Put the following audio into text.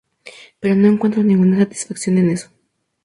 Pero no encuentro ninguna satisfacción en eso.